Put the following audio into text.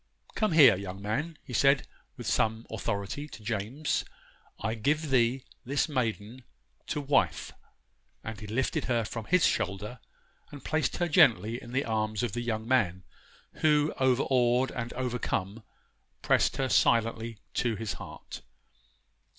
'Come here, young man,' he said, with some authority, to James, 'I give thee this maiden to wife,' and he lifted her from his shoulder and placed her gently in the arms of the young man, who, overawed and overcome, pressed her silently to his heart.